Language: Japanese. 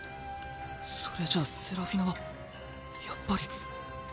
それじゃあセラフィナはやっぱり。